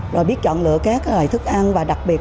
rồi biết chọn lựa các loài thức ăn và đặc biệt